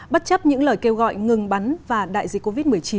bất chấp những lời kêu gọi ngừng bắn và đại dịch covid một mươi chín